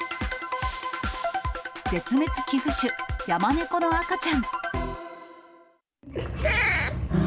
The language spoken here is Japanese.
絶滅危惧種、ヤマネコの赤ちゃん。